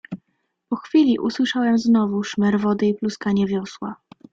"Po chwili usłyszałem znowu szmer wody i pluskanie wiosła."